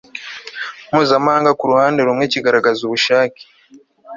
mpuzamahanga Ku ruhande rumwe kigaragaza ubushake